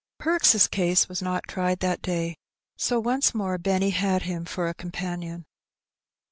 Perks^ case was not tried that day^ so once more Benny had him for a companion.